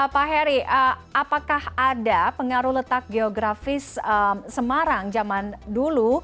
pak heri apakah ada pengaruh letak geografis semarang zaman dulu